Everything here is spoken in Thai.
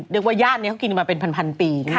เดี๋ยวว่าญาตินี้เขากินมาเป็นพันปี